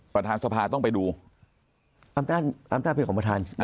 ประธานสภาต้องไปดูตามต้านตามต้านเป็นของประธานอ่า